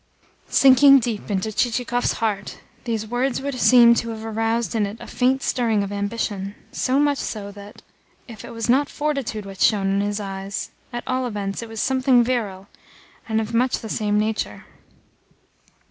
Sinking deep into Chichikov's heart, these words would seem to have aroused in it a faint stirring of ambition, so much so that, if it was not fortitude which shone in his eyes, at all events it was something virile, and of much the same nature.